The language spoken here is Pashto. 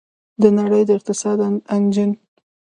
د نړۍ د اقتصاد انجن.